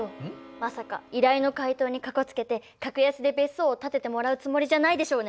まさか依頼の回答にかこつけて格安で別荘を建ててもらうつもりじゃないでしょうね！